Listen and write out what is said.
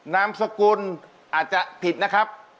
นามสกุลอาจจะผิดนะครับ